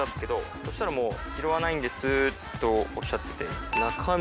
そしたらもう「拾わないんです」とおっしゃってて。